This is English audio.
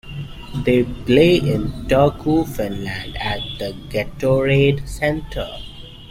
They play in Turku, Finland, at the Gatorade Center.